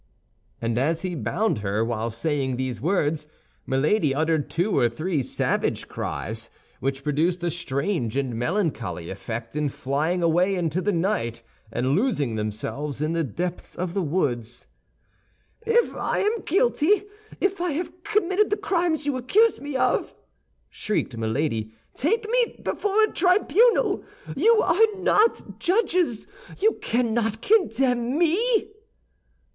And as he bound her while saying these words, Milady uttered two or three savage cries, which produced a strange and melancholy effect in flying away into the night, and losing themselves in the depths of the woods. "If I am guilty, if I have committed the crimes you accuse me of," shrieked Milady, "take me before a tribunal. You are not judges! You cannot condemn me!"